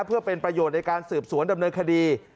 เพื่อเป็นประโยชน์ในการสืบสวนดำเนินคดี